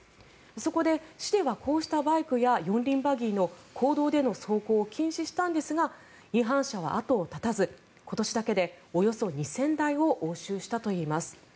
そこで、市ではこうしたバイクや四輪バギーの公道での走行を禁止したんですが違反者は後を絶たず今年だけでおよそ２０００台を押収したといいます。